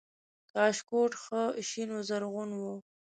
کاشکوټ ښه شین و زرغون و